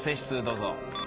どうぞ。